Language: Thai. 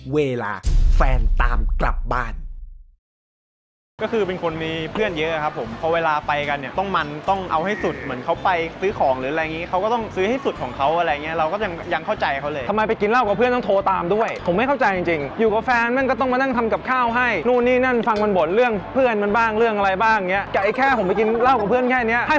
เพื่อนเยอะครับผมเพราะเวลาไปกันเนี่ยต้องมันต้องเอาให้สุดเหมือนเขาไปซื้อของหรืออะไรอย่างนี้เขาก็ต้องซื้อให้สุดของเขาอะไรอย่างเงี้ยเราก็จะยังเข้าใจเขาเลยทำไมไปกินเหล้ากับเพื่อนต้องโทรตามด้วยผมไม่เข้าใจจริงจริงอยู่กับแฟนมันก็ต้องมานั่งทำกับข้าวให้นู่นนี่นั่นฟังบ่นเรื่องเพื่อนมันบ้างเรื่องอะไรบ้างอย่างเงี้ยแ